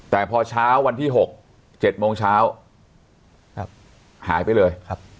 แต่พอเช้าวันที่๖๗โมงเช้าหายไปเลย